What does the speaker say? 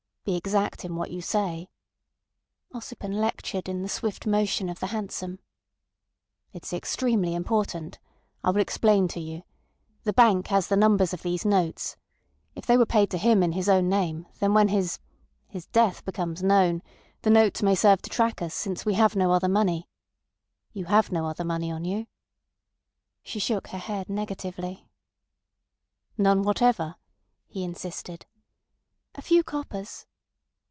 "Be exact in what you say," Ossipon lectured in the swift motion of the hansom. "It's extremely important. I will explain to you. The bank has the numbers of these notes. If they were paid to him in his own name, then when his—his death becomes known, the notes may serve to track us since we have no other money. You have no other money on you?" She shook her head negatively. "None whatever?" he insisted. "A few coppers."